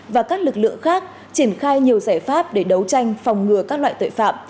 và các lực lượng khác triển khai nhiều giải pháp để đấu tranh phòng ngừa các loại tội phạm